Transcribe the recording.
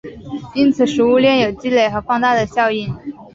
因此食物链有累积和放大的效应。